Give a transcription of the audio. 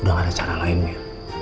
udah gak ada cara lain mia